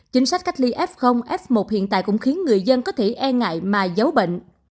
chính sách cách ly f f một hiện tại cũng khiến người dân có thể e ngại mà giấu bệnh